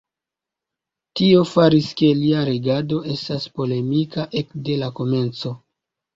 Tio faris ke lia regado estas polemika ekde la komenco.